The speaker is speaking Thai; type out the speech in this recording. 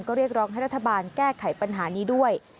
ก็เรียกร้องให้รัฐบาลแก้ไขปัญหานี้ด้วย